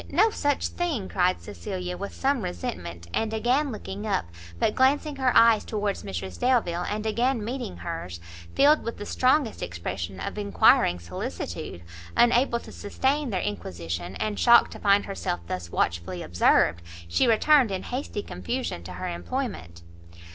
no such thing!" cried Cecilia with some resentment, and again looking up; but glancing her eyes towards Mrs Delvile, and again meeting hers, filled with the strongest expression of enquiring solicitude, unable to sustain their inquisition, and shocked to find herself thus watchfully observed, she returned in hasty confusion to her employment.